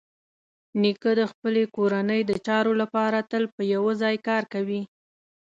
نیکه د خپلې کورنۍ د چارو لپاره تل په یوه ځای کار کوي.